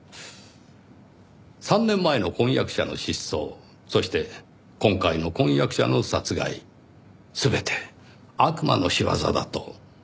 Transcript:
３年前の婚約者の失踪そして今回の婚約者の殺害全て悪魔の仕業だと。